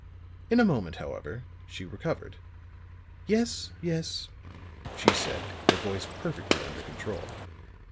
In a moment, however, she recovered. "Yes, yes," she said, her voice perfectly under control.